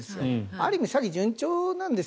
ある意味、詐欺順調なんです。